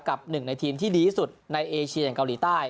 หนึ่งในทีมที่ดีที่สุดในเอเชียอย่างเกาหลีใต้